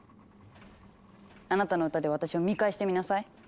あなたの歌で私を見返してみなさい。